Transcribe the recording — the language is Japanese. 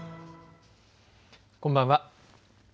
こんばんは。